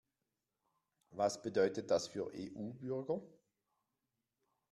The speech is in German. Was bedeutet das für EU-Bürger?